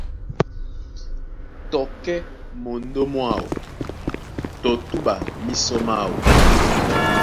Tɔ kɛ́ mondó mwáō tɔ túɓa mísɔ máō.